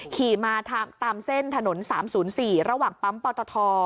ขี่มาตามเส้นถนน๓๐๔ระหว่างปั๊มปตท